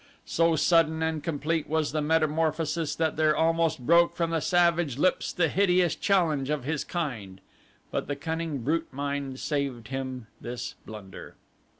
So sudden and complete was the metamorphosis that there almost broke from the savage lips the hideous challenge of his kind, but the cunning brute mind saved him this blunder.